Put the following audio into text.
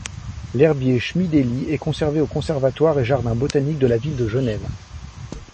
L'herbier Schmidely est conservé au Conservatoire et Jardin botaniques de la ville de Genève.